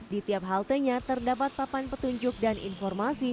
di tiap haltenya terdapat papan petunjuk dan informasi